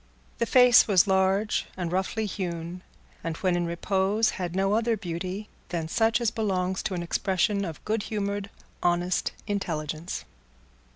The face was large and roughly hewn, and when in repose had no other beauty than such as belongs to an expression of good humoured honest intelligence.